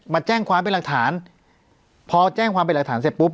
มาแจ้งความเป็นหลักฐานพอแจ้งความเป็นหลักฐานเสร็จปุ๊บ